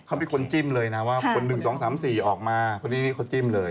เขาเป็นคนจิ้มเลยนะว่าคน๑๒๓๔ออกมาคนนี้นี่เขาจิ้มเลย